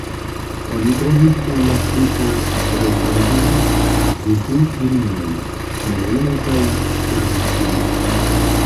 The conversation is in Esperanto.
Oni trovis en la ŝipo restaĵon de du virinoj: sinjorino kaj servistino.